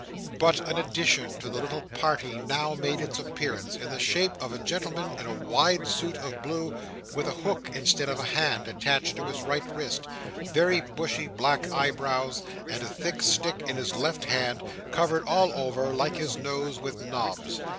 But an addition to the little party now made its appearance, in the shape of a gentleman in a wide suit of blue, with a hook instead of a hand attached to his right wrist; very bushy black eyebrows; and a thick stick in his left hand, covered all over (like his nose) with knobs.